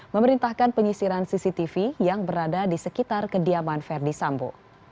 memerintahkan penyisiran cctv yang berada di sekitar kediaman verdi sambo